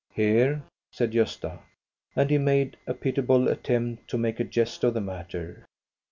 " Here," said Gosta. And he made a pitiable attempt to make a jest of the matter.